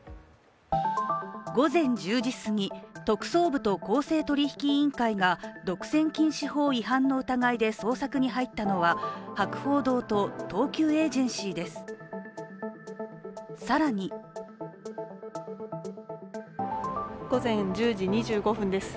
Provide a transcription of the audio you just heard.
午前１０時過ぎ、特捜部と公正取引委員会が独占禁止法違反の疑いで捜索に入ったのは博報堂と東急エージェンシーです。